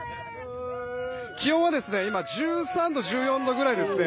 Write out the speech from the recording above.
気温は１３度、１４度くらいですね。